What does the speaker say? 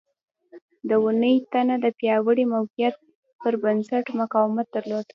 د ونې تنه د پیاوړي موقعیت پر بنسټ مقاومت درلود.